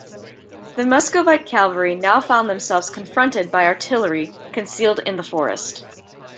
The Muscovite cavalry now found themselves confronted by artillery concealed in the forest.